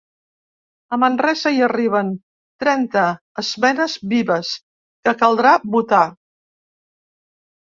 A Manresa hi arriben trenta esmenes vives, que caldrà votar.